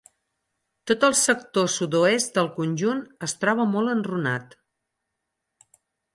Tot el sector sud-oest del conjunt es troba molt enrunat.